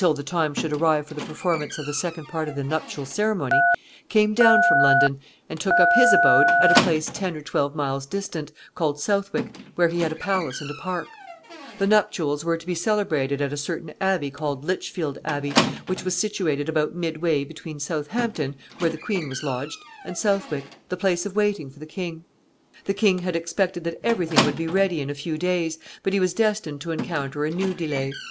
] In the mean time, King Henry, whom the rules of royal etiquette did not allow to join the queen until the time should arrive for the performance of the second part of the nuptial ceremony, came down from London, and took up his abode at a place ten or twelve miles distant, called Southwick, where he had a palace and a park. The nuptials were to be celebrated at a certain abbey called Lichfield Abbey, which was situated about midway between Southampton, where the queen was lodged, and Southwick, the place of waiting for the king. The king had expected that every thing would be ready in a few days, but he was destined to encounter a new delay.